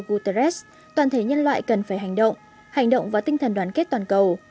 guterres toàn thế nhân loại cần phải hành động hành động vào tinh thần đoàn kết toàn cầu